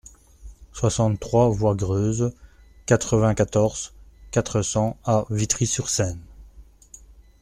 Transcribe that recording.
soixante-trois voie Greuze, quatre-vingt-quatorze, quatre cents à Vitry-sur-Seine